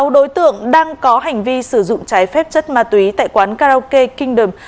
sáu đối tượng đang có hành vi sử dụng trái phép chất ma túy tại quán karaoke kingdom